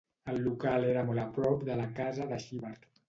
El local era molt a prop de la casa de Schubert.